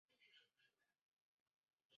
吉隆坡第二国际机场站同时开放运营。